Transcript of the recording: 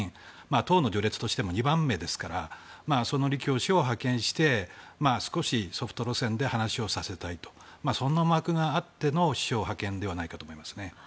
党の序列としても２番目ですからその李強氏を派遣して少しソフト路線で話をさせておくそんな思惑があっての首相派遣ではないかと思いますね。